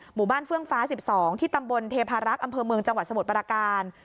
หมู่บ้านเฟื่องฟ้า๑๒ที่ตำบลเทพารักษ์อำเภอเมืองจังหวัดสมุทรปราการ